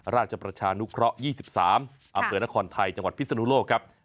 ราชประชานุเคราะห์๒๓อำเภอนครไทยจังหวัดพิศนุโลกครับ